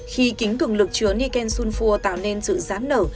khi kính cường lực chứa niken sunfur tạo nên sự gián nở